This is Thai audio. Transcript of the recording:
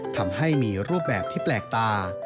ทำให้มีรูปแบบที่แปลกตา